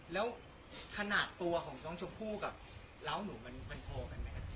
แล้วขนาดตัวของน้องชมพู่กับเล้าหนูมันพอกันไหมครับ